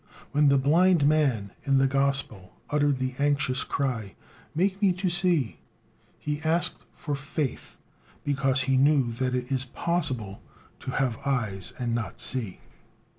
When the blind man in the gospel uttered the anxious cry: "Make me to see," he asked for "faith," because he knew that it is possible to have eyes and not to see.